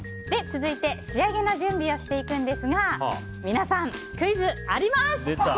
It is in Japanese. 続いて仕上げの準備をしていくんですが皆さん、クイズ、あります！